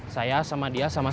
saya sama dia sama sama